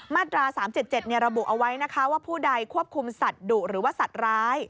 มาตรา๓๗๗ระบุเอาไว้นะคะว่าผู้ใดควบคุมสัตว์ดุหรือว่าสัตว์ร้าย